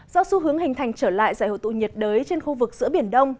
do xu hướng hình thành trở lại giải hội tụ nhiệt đới trên khu vực giữa biển đông